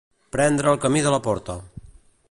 Prendre el camí de la porta.